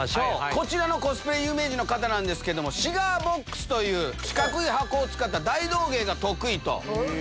こちらのコスプレ有名人の方ですけどシガーボックスという四角い箱を使った大道芸が得意。